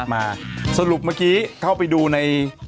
มาสรุปเมื่อกี้เข้าไปดูใน